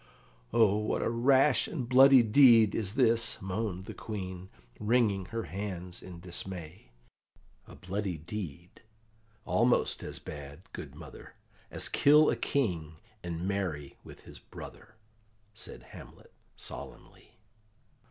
"Oh, what a rash and bloody deed is this!" moaned the Queen, wringing her hands in dismay. "A bloody deed! Almost as bad, good mother, as kill a King and marry with his brother," said Hamlet solemnly.